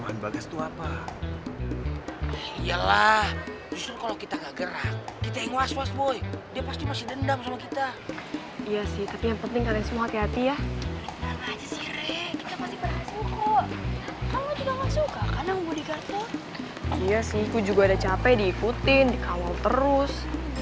iya sih aku juga ada capek diikutin dikawal terus